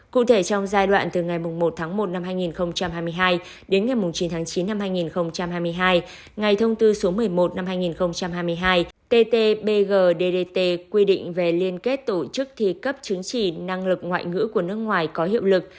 cụ thể trong giai đoạn từ ngày một một hai nghìn hai mươi hai đến ngày chín chín hai nghìn hai mươi hai ngày thông tư số một mươi một hai nghìn hai mươi hai ttbg ddt quy định về liên kết tổ chức thi cấp chứng chỉ năng lực ngoại ngữ của nước ngoài có hiệu lực